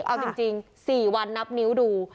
เอาจริง๔วันนับนิ้วดู